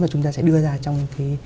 mà chúng ta sẽ đưa ra trong cái